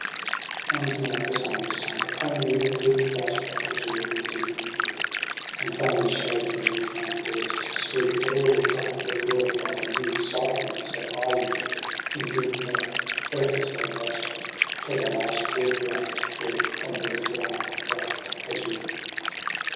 if And now the sun was sunk j only the peak Flash'd like a jewel in the deepening blue : And from the shade beneath none dared to speak. But all look'd up, where glorified anew Psyche sat islanded in living day. Breathless they watcht her, till the last red ray Fled from her lifted arm that waved adieu.